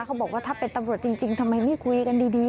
เขาบอกว่าถ้าเป็นตำรวจจริงทำไมไม่คุยกันดี